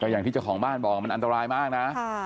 อย่างที่เจ้าของบ้านบอกมันอันตรายมากนะ